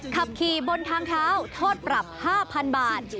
ขับขี่บนทางเท้าโทษปรับ๕๐๐๐บาท